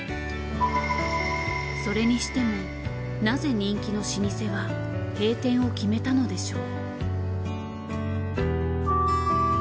それにしてもなぜ人気の老舗は閉店を決めたのでしょう？